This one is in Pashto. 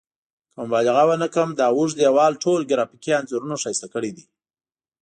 که مبالغه ونه کړم دا اوږد دیوال ټول ګرافیکي انځورونو ښایسته کړی دی.